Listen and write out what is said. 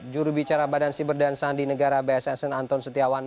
juru bicara badan cyber dan sandi negara bssn anton setiawan